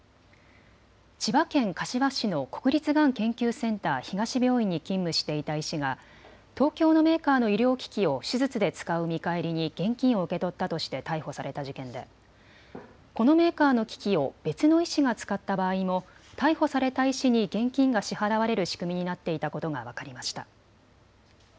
千葉県柏市の国立がん研究センター東病院に勤務していた医師が東京のメーカーの医療機器を手術で使う見返りに現金を受け取ったとして逮捕された事件でこのメーカーの機器を別の医師が使った場合も逮捕された医師に現金が支払われる仕組みになっていたことが分かりました。